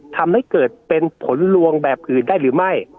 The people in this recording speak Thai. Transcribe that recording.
ทำให้เกิดเป็นผลลวงแบบอื่นได้หรือไม่